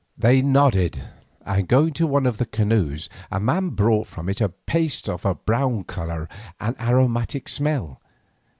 They nodded, and going to one of the canoes a man brought from it a paste of a brown colour and aromatic smell.